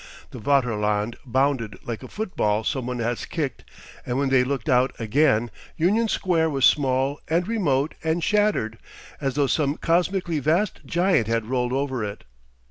The Vaterland bounded like a football some one has kicked and when they looked out again, Union Square was small and remote and shattered, as though some cosmically vast giant had rolled over it.